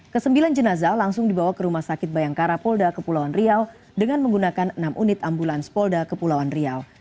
kesembilan jenazah langsung dibawa ke rumah sakit bayangkara polda kepulauan riau dengan menggunakan enam unit ambulans polda kepulauan riau